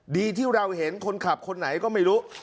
ดีที่เราเห็นคนขับคนไหนก็ไม่รู้